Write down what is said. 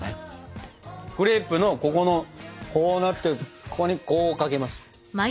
クレープのここのこうなってるここにこうかけます。